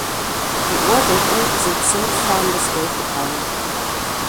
Die Ohrdecken sind zimtfarben bis gelbbraun.